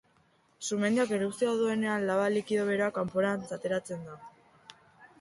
Sumendiak erupzioa duenean, laba likido beroa kanporantz ateratzen da.